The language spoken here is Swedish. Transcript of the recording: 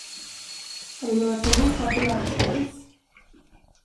Har du några pengar kvar till lördagsgodis?